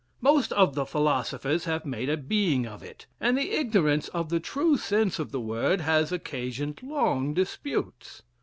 Most of the philosophers have made a being of it; and the ignorance of the true sense of the word has occasioned long disputes.